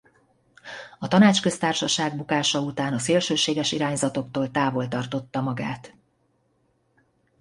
A Tanácsköztársaság bukása után a szélsőséges irányzatoktól távol tartotta magát.